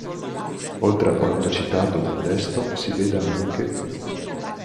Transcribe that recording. Oltre a quanto citato nel testo, si veda anche